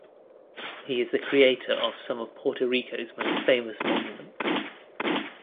He is the creator of some of Puerto Rico's most famous monuments.